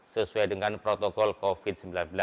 sesuai dengan protokol covid sembilan belas